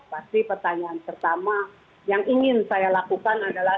pasti pertanyaan pertama yang ingin saya lakukan adalah